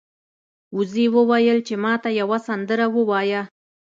وزې وویل چې ما ته یوه سندره ووایه.